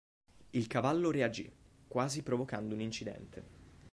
Il cavallo reagì, quasi provocando un incidente.